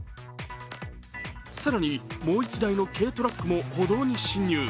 更にもう１台の軽トラックも歩道に侵入。